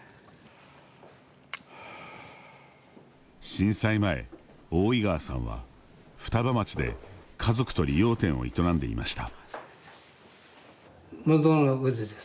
震災前、大井川さんは双葉町で家族と理容店を営んでいました。